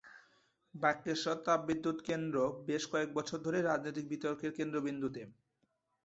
বক্রেশ্বর তাপবিদ্যুৎ কেন্দ্র বেশ কয়েক বছর ধরেই রাজনৈতিক বিতর্কের কেন্দ্রবিন্দুতে।